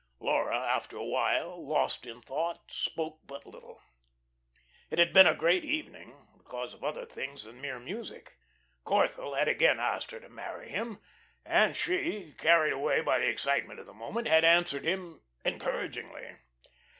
Laura, after a while, lost in thought, spoke but little. It had been a great evening because of other things than mere music. Corthell had again asked her to marry him, and she, carried away by the excitement of the moment, had answered him encouragingly.